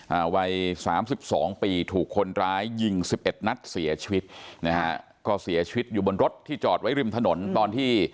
วัยสามสิบสองปีถูกคนร้ายยิงสิบเอ็ดนัดเสียชีวิตนะฮะก็เสียชีวิตอยู่บนรถที่จอดไว้ริมถนนตอนที่